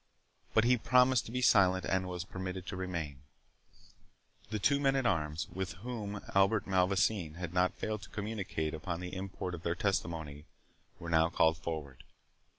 But he promised to be silent, and was permitted to remain. The two men at arms, with whom Albert Malvoisin had not failed to communicate upon the import of their testimony, were now called forward.